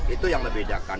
itu yang membedakan